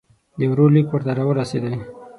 د ورور لیک ورته را ورسېدی.